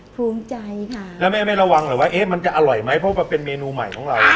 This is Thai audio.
ภูมิใจค่ะแล้วแม่ไม่ระวังเลยว่าเอ๊ะมันจะอร่อยไหมเพราะว่าเป็นเมนูใหม่ของเรา